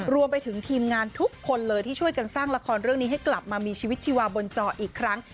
รวมไปถึงทีมงานทุกคนเลยที่ช่วยกันสร้างละครเรื่องนี้ให้กลับมามีชีวิตชีวาบนจออีกครั้ง